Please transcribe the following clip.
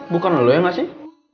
bukan lo ya nggak sih